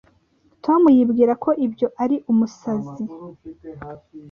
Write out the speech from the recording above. tom yibwira ko ibyo ari umusazi